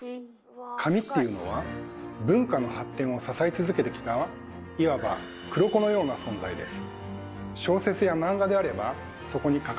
紙っていうのは文化の発展を支え続けてきたいわば黒子のような存在です。